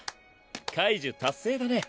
解呪達成だね。